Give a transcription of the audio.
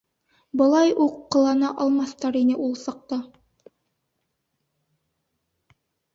Былай уҡ ҡылана алмаҫтар ине ул саҡта.